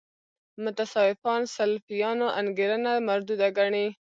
متصوفان سلفیانو انګېرنه مردوده ګڼي.